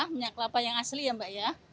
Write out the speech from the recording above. minyak kelapa yang asli ya mbak ya